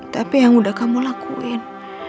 tapi yang udah kamu lakuin